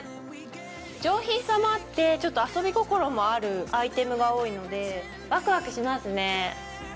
上品さもあってちょっと遊び心もあるアイテムが多いのでワクワクしますね。